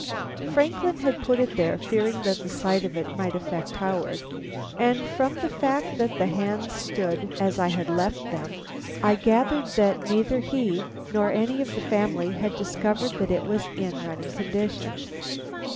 Franklin had put it there, fearing that the sight of it might affect Howard, and from the fact that the hands stood as I had left them, I gathered that neither he nor any of the family had discovered that it was in running condition.